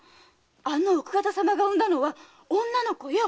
あの奥方様が産んだのは女の子よ！